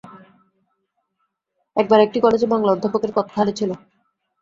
একবার একটি কলেজে বাংলা অধ্যাপকের পদ খালি ছিল।